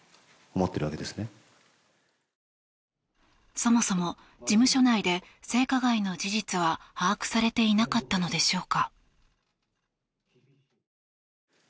そもそも事務所内で性加害の事実は把握されていなかったのでしょうか。